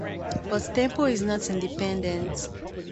But tempo is not independent!